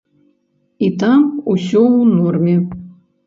І там усё ў норме.